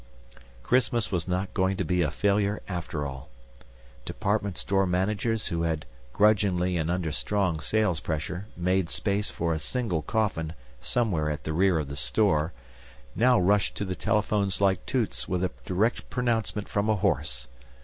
Christmas was not going to be a failure after all. Department store managers who had, grudgingly and under strong sales pressure, made space for a single coffin somewhere at the rear of the store, now rushed to the telephones like touts with a direct pronouncement from a horse.